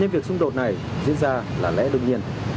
nên việc xung đột này diễn ra là lẽ đương nhiên